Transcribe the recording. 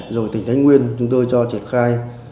rồi tỉnh thái nguyên chúng tôi cho triển khai